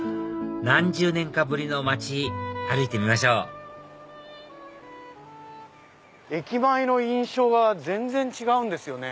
何十年かぶりの街歩いてみましょう駅前の印象が全然違うんですよね。